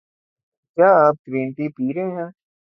کیا آپ green tea پی رہے ہے؟